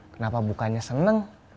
kenapa bukannya seneng